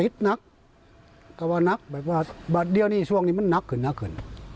ติดนักก็ว่านักแบบว่าเดี๋ยวนี้ช่วงนี้มันนักเกิน